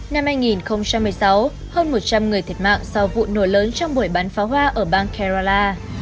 năm hai nghìn một mươi sáu hơn một trăm linh người thiệt mạng sau vụ nổ lớn trong buổi bán pháo hoa ở bang carrolah